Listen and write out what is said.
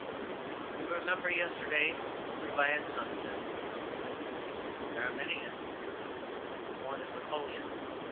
We remember yesterday only by its sunsets. There are many instances. One is Napoleon.